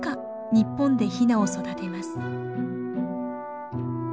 日本でヒナを育てます。